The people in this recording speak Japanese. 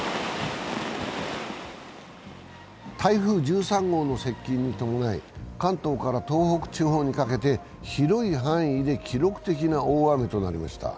台風１３号の接近に伴い関東から東北地方にかけて、広い範囲で記録的な大雨となりました。